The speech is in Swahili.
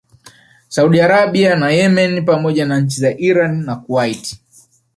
Saudi Arabia na Yemeni pamoja na nchi za Irani na Kuwait